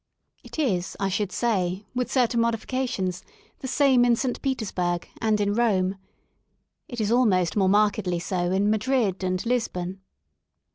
It is, I should say, with certain modifications the same in St. Petersburg and in Rome. It is almost more markedly so in Madrid and Lisbon.